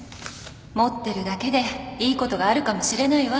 持ってるだけでいいことがあるかもしれないわ